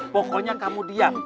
pokoknya kamu diam